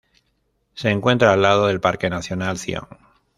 Se encuentra al lado del Parque nacional Zion.